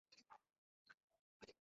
Vanilla লাগবে, vanilla?